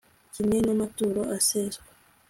kimwe n'amaturo aseswa